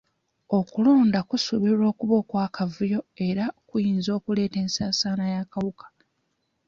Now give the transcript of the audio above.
Okulonda kusuubirwa okuba okw'akavuyo era kuyinza okuleeta ensaasaana y'akawuka.